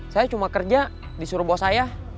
saya cuma kerja di suruh bos saya